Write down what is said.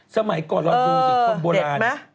สมัยก่อนเรากูจะเป็นคนโบราณเด็กไหม